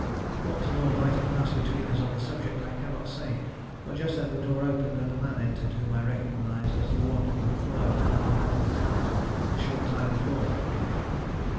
What more might have passed between us on this subject I cannot say, for just then the door opened and a man entered whom I recognized as the one who had followed Eleanore Leavenworth out, a short time before.